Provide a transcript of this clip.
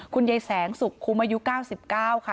คุณยายแสงสุขคุ้มอายุ๙๙ค่ะ